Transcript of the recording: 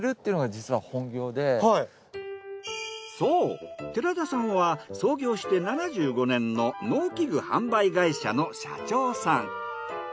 そう寺田さんは創業して７５年の農機具販売会社の社長さん。